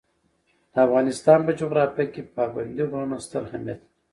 د افغانستان په جغرافیه کې پابندي غرونه ستر اهمیت لري.